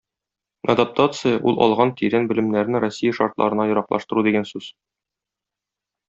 Адаптация - ул алган тирән белемнәрне Россия шартларына яраклаштыру дигән сүз.